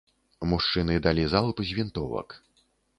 Мужчыны далі залп з вінтовак.